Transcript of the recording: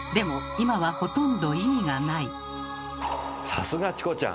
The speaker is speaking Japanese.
さすがチコちゃん！